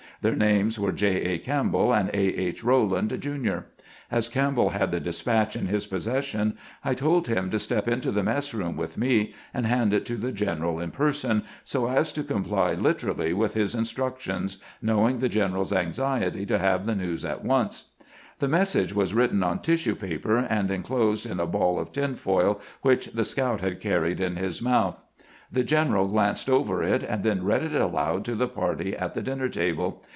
Their names were J. A. Campbell and A. H. Eowand, Jr. As Campbell had the despatch in his possession, I told him to step into the mess room with me, and hand it to the general in person, so as to comply literally with his in structions, knowing the general's anxiety to have the news at once. The message was written on tissue paper and inclosed in a ball of tin foil, which the scout had carried in his mouth. The general glanced over it, and then read it aloud to the party at the dinner table.